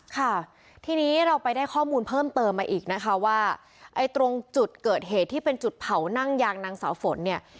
ค่ะทีนี้เราไปได้ข้อมูลเพิ่มเติมมาอีกนะคะว่าไอ้ตรงจุดเกิดเหตุที่เป็นจุดเผานั่งยางนางสาวฝนเนี่ย